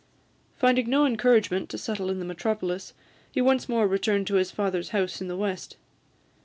Finding no encouragement to settle in the metropolis, he once more returned to his father's house in the west.